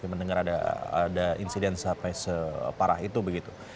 mendengar ada insiden sampai separah itu begitu